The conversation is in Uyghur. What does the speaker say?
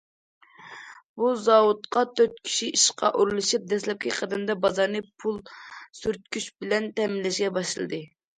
بۇ زاۋۇتقا تۆت كىشى ئىشقا ئورۇنلىشىپ، دەسلەپكى قەدەمدە بازارنى پول سۈرتكۈچ بىلەن تەمىنلەشكە باشلىدى.